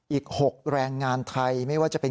อีก๖แรงงานไทยไม่ว่าจะเป็น